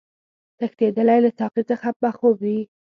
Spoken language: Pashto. تښتېدلی له ساقي څخه به خوب وي